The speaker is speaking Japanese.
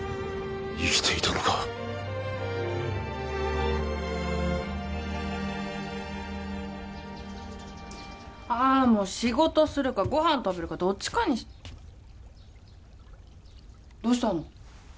生きていたのかああもう仕事するかご飯食べるかどっちかにどうしたの？